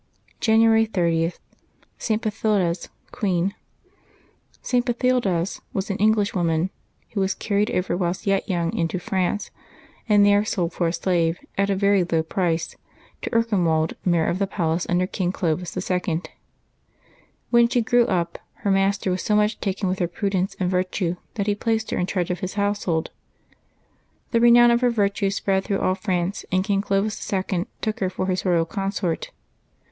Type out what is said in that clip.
January 30] LIVES OF THE SAINTS 53 January 30.— ST. BATHILDES, Queen. [t. Bathildes was an Englishwoman, who was carried over whilst yet young into France, and there sold for a slave, at a very low price, to Erkenwald, mayor of the palace under King Clovis 11. When she grew up, her master was so much taken with her prudence and virtue that he placed her in charge of his household. The renown of her virtues spread through all France, and King Clovis II. took her for his royal consort.